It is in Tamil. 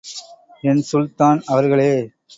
என் சுல்தான் அவர்களே!